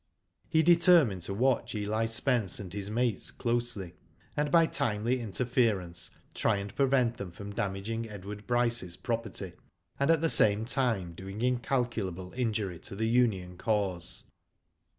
He determined to watch EH Spence and his mates closely, and by timely interference, try ^nd prevent them from damaging Edward Brycev's pro perty, and at the same time doing incalculable injury to the union cause.